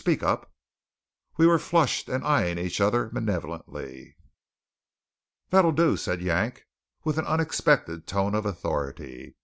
Speak up!" We were flushed, and eying each other malevolently. "That'll do!" said Yank, with an unexpected tone of authority.